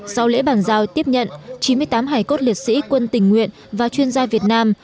sau lễ bàn giao tiếp nhận chín mươi tám hải cốt liệt sĩ quân tình nguyện và chuyên gia việt nam